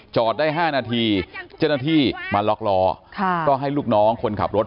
จอดได้ห้านาทีเจ้าหน้าที่มาล็อกรอค่ะก็ให้ลูกน้องคนขับรถ